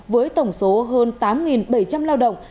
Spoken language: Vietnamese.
với tổng số hơn tám bảy trăm linh lao động